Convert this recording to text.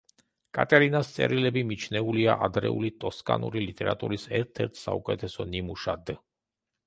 კატერინას წერილები მიჩნეულია ადრეული ტოსკანური ლიტერატურის ერთ-ერთ საუკეთესო ნიმუშად.